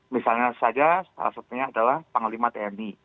misalnya saja salah satunya adalah panglima tni